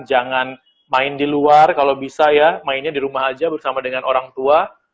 jangan main di luar kalau bisa ya mainnya di rumah aja bersama dengan orang tua